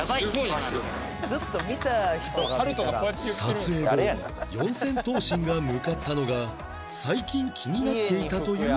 撮影後四千頭身が向かったのが最近気になっていたというショップ